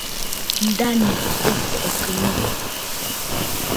Ǹdânwì ɨ̀ fɛ̀ʼɛ̀kə̀ mə̂.